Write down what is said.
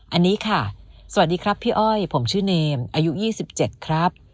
อันนี้ค่ะสวัสดีครับพี่อ้อยผมชื่อเนมอายุ๒๗ครับ